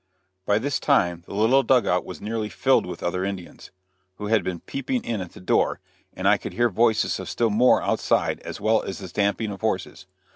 By this time the little dug out was nearly filled with other Indians, who had been peeping in at the door, and I could hear voices of still more outside as well as the stamping of horses.